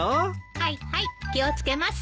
はいはい気を付けます。